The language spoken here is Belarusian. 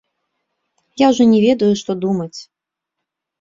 Я ўжо не ведаю, што думаць.